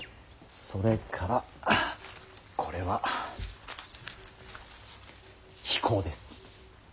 それからこれはヒコウです。